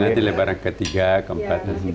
nanti lebaran ketiga keempat